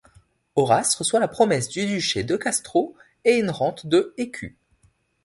Horace reçoit la promesse du duché de Castro et une rente de écus.